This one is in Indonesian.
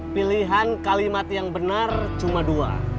pilihan kalimat yang benar cuma dua